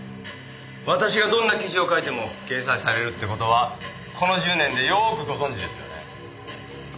私がどんな記事を書いても掲載されるって事はこの１０年でよくご存じですよね。